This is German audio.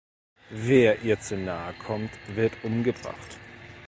Wer ihr zu nahe kommt, wird umgebracht.